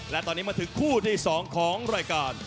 และตอนนี้มาถึงคู่ที่๒ของรายการ